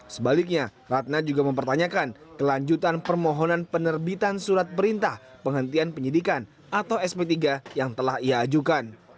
sebaliknya ratna juga mempertanyakan kelanjutan permohonan penerbitan surat perintah penghentian penyidikan atau sp tiga yang telah ia ajukan